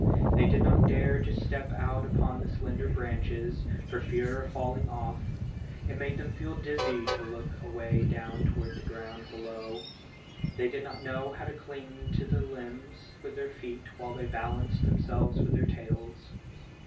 They did not dare to step out upon the slender branches, for fear of falling off. It made them feel dizzy to look away down to the ground below. They did not know how to cling to the limbs with their feet while they balanced themselves with their tails.